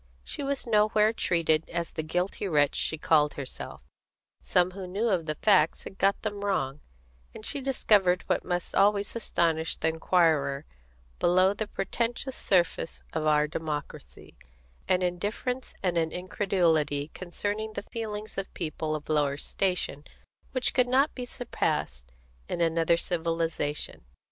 She was nowhere treated as the guilty wretch she called herself; some who knew of the facts had got them wrong; and she discovered what must always astonish the inquirer below the pretentious surface of our democracy an indifference and an incredulity concerning the feelings of people of lower station which could not be surpassed in another civilisation.